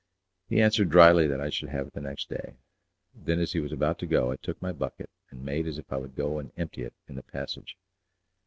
He answered drily that I should have it the next day. Then as he was about to go I took my bucket, and made as if I would go and empty it in the passage.